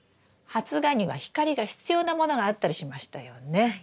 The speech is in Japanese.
発芽には光が必要なものがあったりしましたよね。